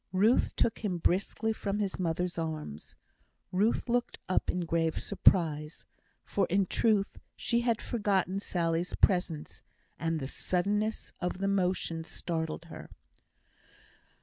Sally took him briskly from his mother's arms; Ruth looked up in grave surprise, for in truth she had forgotten Sally's presence, and the suddenness of the motion startled her.